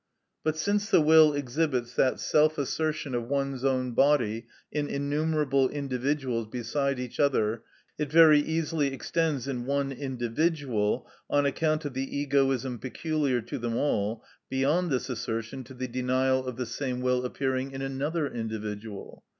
But since the will exhibits that self assertion of one's own body in innumerable individuals beside each other, it very easily extends in one individual, on account of the egoism peculiar to them all, beyond this assertion to the denial of the same will appearing in another individual.